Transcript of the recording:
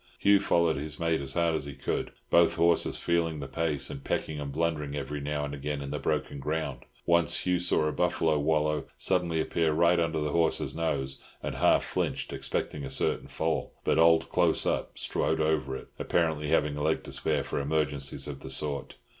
Hugh followed his mate as hard as he could, both horses feeling the pace, and pecking and blundering every now and again in the broken ground. Once Hugh saw a buffalo wallow suddenly appear right under his horse's nose, and half flinched, expecting a certain fall; but old "Close Up" strode over it, apparently having a leg to spare for emergencies of the sort.